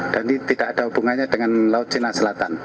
jadi tidak ada hubungannya dengan laut cina selatan